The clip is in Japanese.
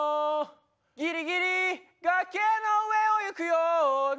「ギリギリ崖の上を行くように」